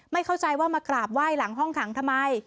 เข้าใจว่ามากราบไหว้หลังห้องขังทำไม